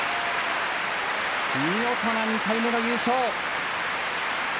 見事な２回目の優勝。